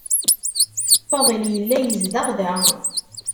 Fadil yella yezdeɣ da.